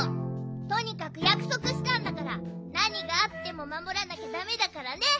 とにかくやくそくしたんだからなにがあってもまもらなきゃだめだからね！